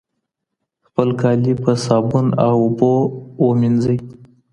خپل کالي په صابون او اوبو ومینځئ.